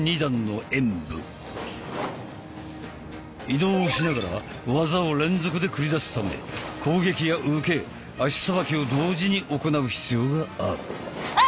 移動をしながら技を連続で繰り出すため攻撃や受け足さばきを同時に行う必要がある。